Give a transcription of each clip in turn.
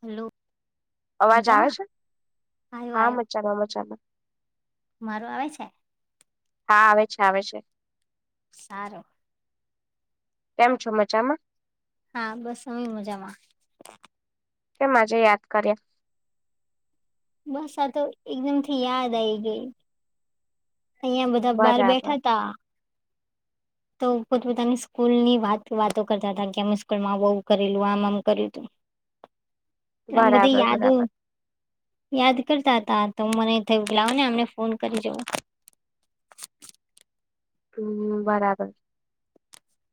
Hello. અવાજ આવે મજામાં છે આવ્યો હા મચાનો મચાનો. મારું આવે છે. હા આવે છે આવે છે. સારું. કેમ છો મજામાં? હા બસ અમેં મજામાં કેમ આજે યાદ કરયા બસ આ તો એકદમ થી યાદ આવી ગઈ અહિયાં બધા બાર બરાબર બેઠા તા તો પોતપતાની સ્કૂલ ની વાત વાતો કરતા હતા કે અમે સ્કૂલમાં આવ આવું કરેલું આમ આમ કર્યું હતું. [unintelligible] આમ બઘી યાદો બરાબર યાદ કરતા હતા તો મને થયું લાઓને અમને ફોન કરી જવું. હમ બરાબર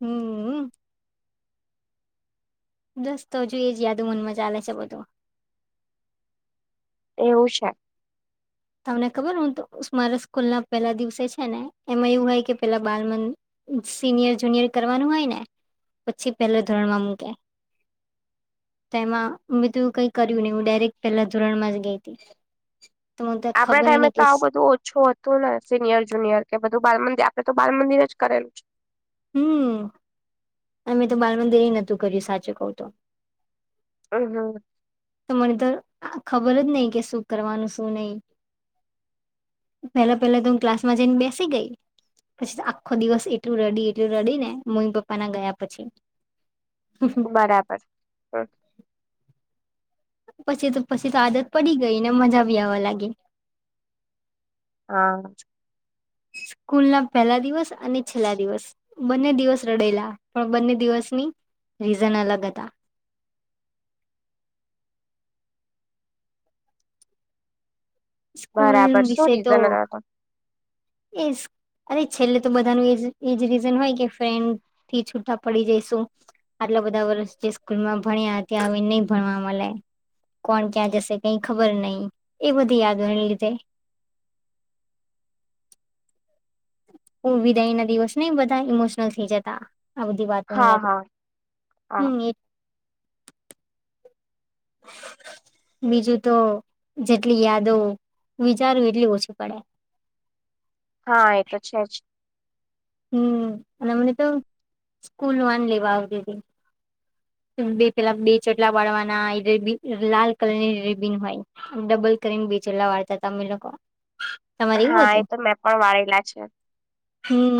હમ બસ તો હજુ એ જ યાદો મનમાં ચાલે છે બધું એવું છે. તમને ખબર હું તો મારા સ્કૂલ ના પેલા દિવસે છે ને એમાં એવું હોય કે પેલા બાલ મંદ સિનિયર જુનિયર કરવાનું હોય ને પછી પેલા ધોરણમાં મૂકે તેમાં મિતું કઈ કર્યું નહી હું ડાયરેક્ટ પેલા ધોરણમાં જ ગઈ હતી તો મને તો આપડા ખબર ટાઈમે નહી તો કે આવું બધું ઓછું હ તું ને સિનિયર જુનિયર કે બધું બાલ મંદિર આપડે તો બાલ મંદિરે જ કરેલું છે હમ અમે તો બાલ મંદિરેય નતું કર્યું સાચું કઉ તો હમ હમ તો મને તો ખબર જ નઈ કે શું કરવાનું શું નઈ પેલા પેલા તો હું ક્લાસમાં જઈને બેસી ગઈ પછી તો આખો દિવસ એટલું રડી એટલું રડી ને મમ્મી પપ્પા ના ગયા પછી હ બરાબર હ પછી તો પછી તો આદત પડી ગઈ ને મજા બી આવા લાગી હા સ્કૂલ ના પહેલા દિવસ અને છેલ્લા દિવસ બંને દિવસ રડેલા, પણ બંને દિવસની રીઝન અલગ હતા. સ્કૂલ બરાબર શું રીઝન હતાતો એસ અરે છેલ્લે તો બધાનું એજ એજ રીઝન હોય કે ફેન થી છૂટા પડી જઈશું. આટલા બધા વર્ષ જે સ્કૂલમાં ભણ્યા, ત્યાં હવે નહી ભણવા મળે. કોણ ક્યાં જશે કઈ ખબર નહી, એ બધી યાદો ને લીધે. હું વિદાય ના દિવસ નહી બધા ઈમોશનલ થઈ જતા. આ બધી વાતોને હા યાદ, હા હા હમ્મ એ બીજું તો જેટલી યાદો વિચારૂ એટલી ઓછું પડે. હા એ તો છે જ હમ્મ અને અમને તો સ્કૂલ વાન લેવા આવતી થી [inaudible] બે પેલા બે ચોટલા બાળવાના, રેબિન લાલ કલરની રેબિન હોય. ડબલ કરીન બી ચોટલા વાળતા તમે લોકો? તમારે એવું હા હતું? એ તો મેં પણ વાળલા છે,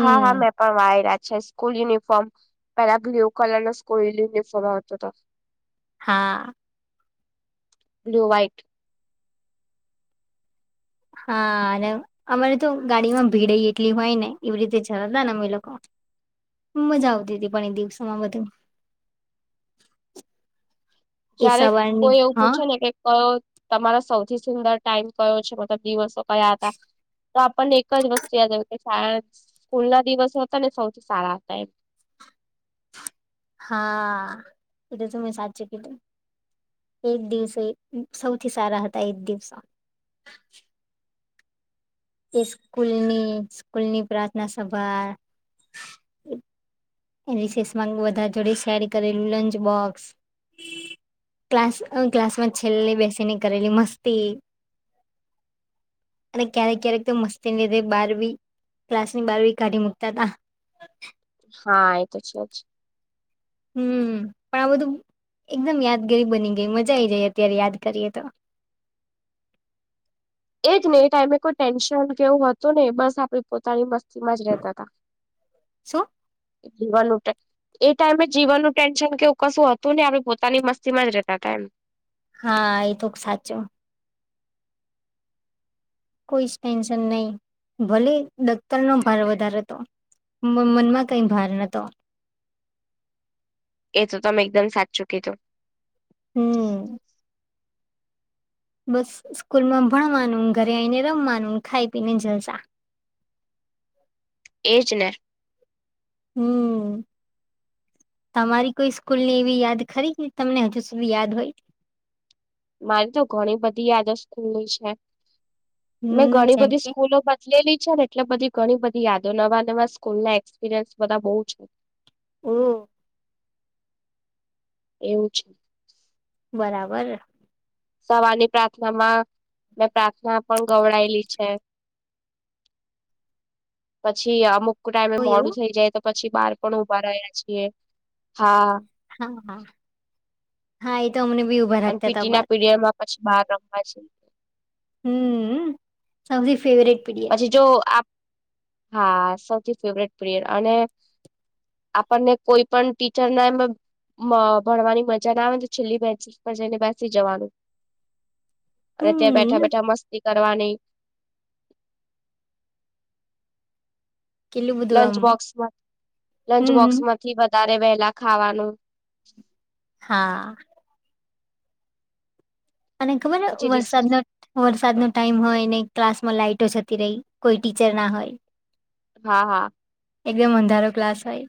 હા હા મે પણ વાયડા છે, સ્કૂલ યુનિફોર્મ પેલા બ્લુ કલર નો સ્કુલ યુલીફોમ હોતો તો હા બ્લુ વાઈટ હા ને અમારે તો ગાડીમાં ભીડે એટલી હોયને, એવી રીતે જરાતા ને અમે લોકો. મજા આવતી હતી પણ એ દિવસોમાં બધું. એ જયારે સવારની કોઈ એવું હા પૂછે ને કે કયો તમારો સૌથી સુંદર ટાઈમ કયો છે, મતલબ દિવસો કયા હતા. તો આપણને એક જ વસ્તુ યાદ આવે કે શાળા સ્કૂલ ના દિવસો હતા ને સૌથી સારા હતા એમ હા, તેતો તમે સાચું કીધુ. એ દિવસે સૌથી સારા હતા એજ દિવસો. એ સ્કૂલની, સ્કૂલની પ્રાર્થના સભા. અને રિસેષ માં વધા જોડે સેર કરેલું લંચ બોક્સ. [inaudible] ક્લાસ અ ક્લાસમાં છેલ્લે બેસી ને કરેલી મસ્તી. અને ક્યારેક ક્યારેક તો મસ્તી લીધે બહાર બી ક્લાસ ની બારભી કાઢી મુકતા હતા. હા એ તો છે જ હમ્મ, પણ આ બધું એકદમ યાદગારી બની ગઈ, મજા આઈ જાય અત્યારે યાદ કરીએ તો. એજને એ ટાઈમે કોઈ ટેન્શન કેવું હતું નહિ, બસ આપડે પોતાની મસ્તીમાં જ રહેતા હતા. [inaudible] શું જીવાન ટ એ ટાઈમે જીવનનું ટેન્શન કેવું કશું હતું નહી, આપણે પોતાની મસ્તી માં જ રહેતા હતા એમ હા એ તો સાચું કોઈ જ ટેન્શન નહી, ભલે દફતર નો ભાર વધારે તો મ મનમાં કઈ ભાર નતો એ તો તમે એકદમ સાચું કીધું હમ. બસ સ્કૂલમાં ભણવાનું ઘરે આવીઈને રમવાનું ખાઈ પીને જલસા એજ ને હમ. તમારી કોઈ સ્કૂલની એવી યાદ ખરી કે તમને હજુ સુધી યાદ હો ય મારી તો ઘણી બધી યાદો સ્કૂલ છે, મેં હમ ઘણી જેમ બધી કે સ્કૂલો ડલેલી છે, ને એટલે બધી ઘણી બધી યાદો નવા નવા સ્કૂલના એક્સપિરિયન્સ બધા બઉ છે. ઓ એવું છે. બરાબર. સવારની પ્રાર્થના માં મેં પ્રાર્થના પણ ગવડાયેલી છે. પછી અમુક ટાઈમે ઓ મોડું એવું થઈ જાય તો પછી બહાર પણ ઉભા રહ્યા છીએ હા હા હા હા એ તો અમને બી ઉ અન પીટીના પીરિયડમાં પછી બહાર રમવા છે. હમ સૌથી ફેવરેટ પીડીએ પછી જો આ હા સૌથી ફેવરેટ [unintelligible] અને આપણને કોઈ પણ ટીચરના એમ મ ભણવાની મજાના આવે ને છેલ્લી બેચીસ પર જઈને બેસી જવાનું અને ત્યાં બેઠા હમ બેઠા મસ્તી કરવાની કેટલું બધું આમ લંચબોક્સમાં હમ હમ લંચબોક્સમાંથી વધારે વહેલા ખાવાનું હા. તને ખબર પછી રિસ વરસાદનો વરસાદનો ટાઈમ હોય ને ક્લાસમાં લાાઈટો જતી રહી કોઈ ટીચર ના હોય હા હા. એકદમ અંધારો ક્લાસ હોય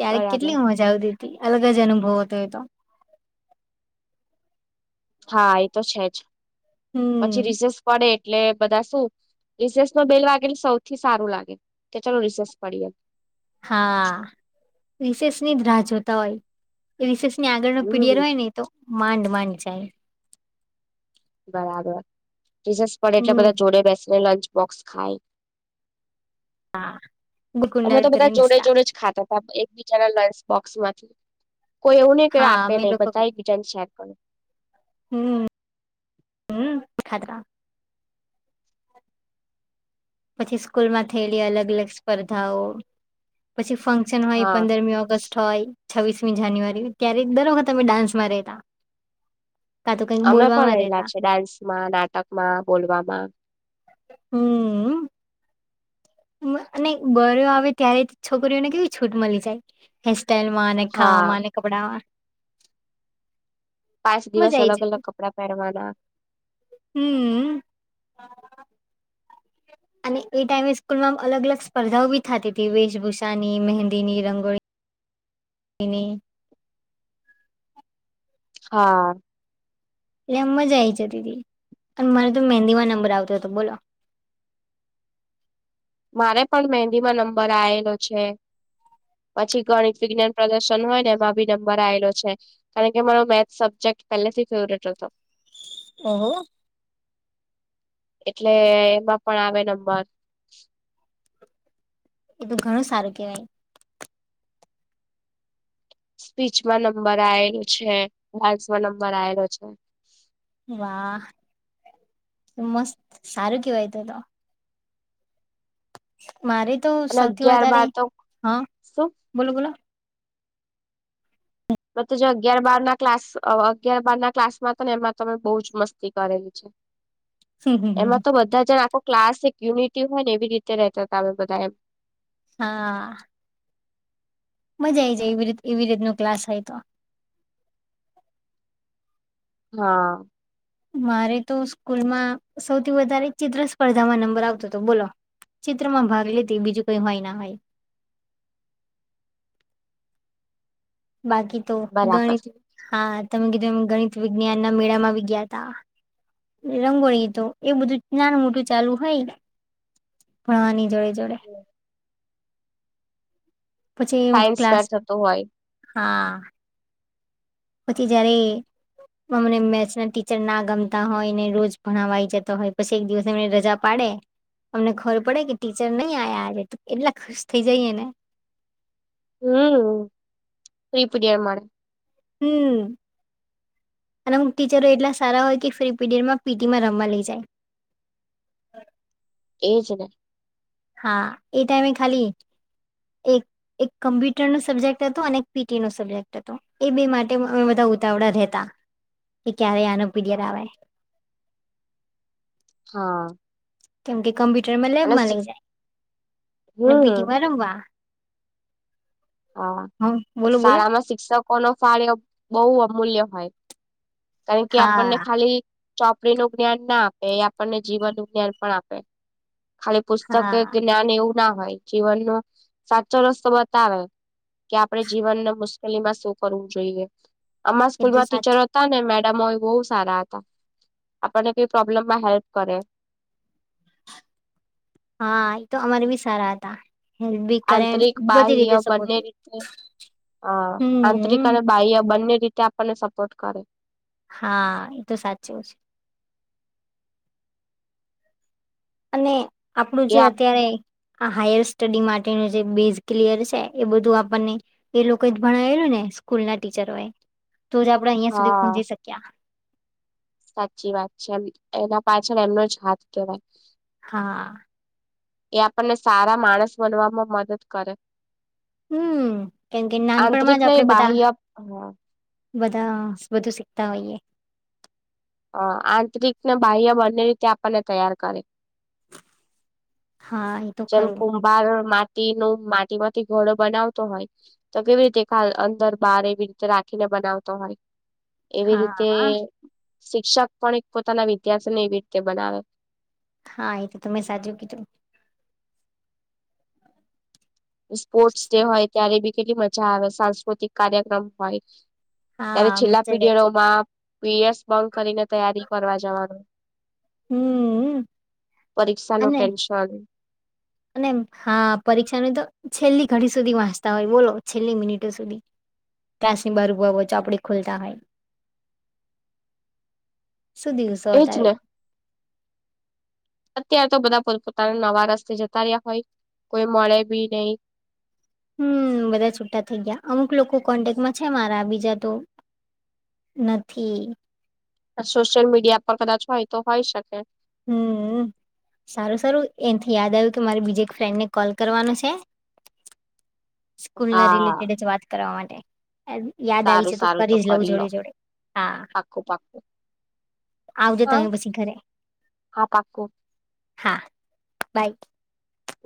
ત્યારે બરાબર કેટલી મ જાવતીતી અલગ જ અનુભવ હતો એ તો હા એ તો છે, જ પછી હમ રિસેસ પડે એટલે બધા શું રિસેસનો બેલ વાગે સૌથી સારું લાગે કે ચાલો રિસેસ પડી એમ હા રિશેષની જ રાહ જોતા હોય એ રિશેષની આગળ ન પીડિયર હમ હોય ને તો માડમાંડ માડમાંડ જાય બરાબર રિશેસ પડે એટલે હમ બધા જોડે બેસીને લંચ બોક્સ ખાય અમે ગુકુંડાળ તો બધા કરીને જોડે હસતા જોડે જ ખાત એકબીજા ના લંચ બોક્સ માંથી કોઈ એવું ને કે હા આપે અમે નહી લોકો બધા એકબીજા ને શેર કરે હમ હમ ખાતા પછી સ્કૂલમાં થયેલી અલગ અલગ સ્પર્ધાઓ પછી ફં શન હોય હા પંદરમી ઓગસ્ટ હોય છવ્વીસમી જાન્યુઆરી ત્યારે દર વખત અમે ડાન્સમાં રેતા કા તો કંઈક બોલવાવામાં રેતા માં નાટક માં બોલવામાં હમમ. મ અને [unintelligible] આવે ત્યારે છોકરીઓને કેવી છૂટ મલી જાય હે સટાઈલમાંને ખાવા હા માને કપડામા પાંચ દિવસ અલગ અલગ કપડા પેરવાના હમમ. અને એ ટાઈમે સ્કૂલમાં અલગ અલગ સ્પર્ધાઓ બી થતીતી વેશભૂષાની, મહેંદીની, રંગો ની હા એ મજા આ આવી જતી હતી અને મારે તો મહેંદીવા નંબર આવતો હતો બોલો મારે પણ મહેંદીમાં નંબર આવેલો છે. પછી ગણિત વિજ્ઞાન પ્રદર્શન હોય ને એમાં ભી નંબર આવેલો છે. કારણ કે મારો મેથ સબ્જેક્ટ પહેલેથી ફેવરેટ હતો. ઓહો એટલે એમાં પણ આવે નંબર એ તો ઘણું સારું કેવાય સ્પીચમાં નંબર આયલું છે ડાન્સમાં નંબર આલો છે. વાહ મસ્ત સારું કેવાય તો તો મારે તો અને સૌથી અગિયાર વધારે બાર તો હા શું બોલો બોલો મત જે અગિયાર બાર ના ક્લાસ અગિયાર બાર ના ક્સમાં હતા ને એમાં તમે બહુ જ મસ્તી કરેલી [unintelligible] એમાં તો બધા જણ આખો ક્લાસ યુનિટી હોય ને એવી રીતે રતા હતામે બધા એમ હા મજા આ આવી જાય એવી રી એવી રીત ન ક્લાસ હોય તો હા મારે તો સ્કૂલમાં સૌથી વધારે ચિત્ર સ્પર્ધામાં નંબર આવતો હતો બોલો ચિત્રમાં ભાગ લેતી બીજું કઈ હોય ના હોય. બાકી તો બરાબર ગણિત હા તમે કીધું એમ ગણિત વિજ્ઞાન ના મેળા માં આવી ગયા તા રંગોળીધો એ બધું નાન મોટું ચાલુ હોય. ભણવાની જોડે જોડે [unintelligible] પછી સાયન્સ ક્લાસ ફેર થતો હોય હા પછી જયારે અમને મેથ્સ ના ટીચર ના ગમતા હોય ને રોજ ભણાવવા આવીઈ જતા હોય, પછી એક દિવસ એમને રજા પાડે અમને ખબર પડે કે ટીચર નહી આ્યા આજે તો એટલા ખુશ થઇ જઈએ ને હમ ફ્રી પીડીયાાર મળે હમ્મ અને ટીચરો એટલા સારા હોય કે ફ્રી પીરિયડમાં પીટીમાં રમવા લઈ જાય. એ છે. હા એ ટાઈમે ખાલી એક એક કમ્પ્યુટર નો સબ્જેક્ટ હતોું અને એક પીટી નો સબ્જેક્ટ હતો એ બે માટે અમે બધા ઉતાવળા રહેતા. એ ક્યારે આનોપી દરાવા હા કેમ કે કમ્પ્યુટર માં અને લેબમાં લઇ જાય અને હમ પીટીમાં રમવા હા હ બોલો બોલો શાળામાં શિક્ષકો નો ફાળ એ બહુ અમૂલ્ય હોય. કારણ કે આપણને હા ખાલી ચોપડી નું જ્ઞાન ના આપે એ આપણને જીવનનુ જ્ઞાન પણ આપે ખાલી પુસ્તકે હા જ્ઞાન એવું ના હોય, જીવન ન સાચો રસ્તો બતાવે. કે આપણે જીવનને મુશ્કેલીમાં શું કરવું જોઈએ અમા એ તો સ્કૂલમાં સાચું ટીચરો હતા ને મેડમ ઓય બહુ સારા હતા આપણને કઈ પ્રોબ્લેમ માં હેલ્પ કરે હા એ તો અમર ભી સારા હતા. હેલ્પ બી કરે ન આંતરિક બધી બાહ્ય રીતે બંને સપોર્ટિવ રીતે આ આંતરિક હમ અને બાહ્ય બંને રીતે આપને સપોર્ટ કરે. હા, એ તો સાચું જ. અને આપણું એ જે આપ અત્યારે. આ હાયર સ્ટડી માટેનું જે બેઝ ક્લિયર સે, બધું આપને. એ લોકો એજ ભણાયેલું ને સ્કૂલ ના ટીચરો એ, તો જ આપડે અહિયાં સુધી પહોંચી સક્યા. હાચી વાત છે એમ, એના પાછળ એમનો જ હાથ કેવાય. હા. એ આપને સારા માણસ બનવામાં મદદ કરે. હમ્મ, કેમ કે આંતરિક નાનપણમાં જ ને આપણેે બધા બાહ્ય બધા, બધું શીખતા હોઈએ. અ આંતરિક ને બાહ્ય બંને રીતે આપને તૈયાર કરે. હા, એ તો જેમ ખરું કુંભાર માટી નો માટીમાંથી ઘડો બનાવતો હોય. તો કેવી રીતે ખાલ અંદર બાર એવી રીતે રાખીન બનાવતો હોય. એવી રીતે હા શિક્ષક પણ એક પોતાના વિદ્યાસીને એ રીતે બનાવે. હા, એ તો તમે સાચું કેધુ. સ્પોર્ટસ ડે હોય ત્યારે બી કેટલી મજા આવે, સાંસ્કુતિક કાર્યક્રમ હોય. ત્યારે હા છેલ્લા મજા જ આઈ જાય છે પીરિયડોમાં પીઅસ બંધ કરીને, તૈયારી કરવા જવાનું. હમ પરીક્ષા નુ અને ટેન્શન. અને હા પરીક્ષાની તો છેલ્લી ઘડી સુધી વાંસચતા હોય બોલો છેલ્લી મિનિટો સુધી. ત્યાંસી બરુબ ઓ ચોપડી ખોલતા હોય. [inaudible] સું દિવસો એજ હતા એ? ને ત્યા તો બધા પોત પોતાના નવા રસ્તે જતા રીયા હોય, કોઈ મળે બી નહિ. હમ્મ, બધા છૂટા થઇ ગીયા. અમુક લોકો કોન્ટેકમાં છે મારા બીજા તો નથી. સોશિયલ મીડિયા પર કદાચ હોય તો હોય શકે. હમ્મ, સારુ સારુ એનથી યાદ આયવુ, કે મારી બીજી એક ફ્રેન્ડ ને કોલ કરવાનો છે. સ્કૂલ ના હા રિલેટેડ જ વાત કરવા માટે. યાદ આયી સારું છે, તો સારું કરી જ લઉં લો જોડે જોડે. હા. પાક્કું પાક્કું આવજો હા તમે પસી ઘરે. હા પાક્કું હા, બાય.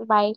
બાય.